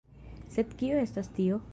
Sed kio estas tio?